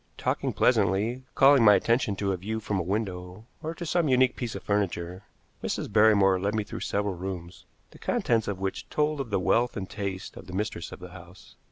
Talking pleasantly, calling my attention to a view from a window, or to some unique piece of furniture, Mrs. Barrymore led me through several rooms, the contents of which told of the wealth and taste of the mistress of the house.